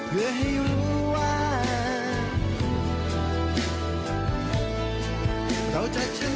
เพื่อให้รู้ว่าสักวันต้องถึงสักวันต้องถึง